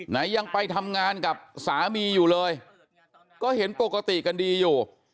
ยังไปทำงานกับสามีอยู่เลยก็เห็นปกติกันดีอยู่